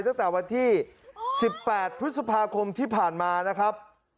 ตั้งแต่วันที่๑๘พฤษภาคมที่ผ่านมานะครับ